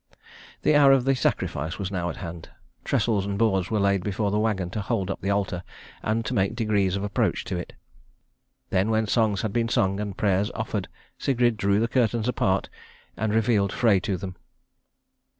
The hour of the sacrifice was now at hand. Trestles and boards were laid before the wagon to hold up the altar and to make degrees of approach to it. Then when songs had been sung and prayers offered, Sigrid drew the curtains apart and revealed Frey to them.